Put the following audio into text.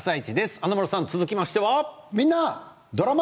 華丸さん、続きましては。